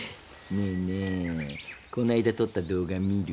ねえねえこないだ撮った動画見る？